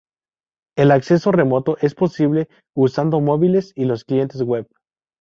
El acceso remoto es posible usando móviles y los clientes Web.